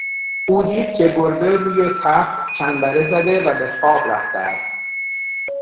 او دید که گربه روی تخت چنبر زده و به خواب رفته است.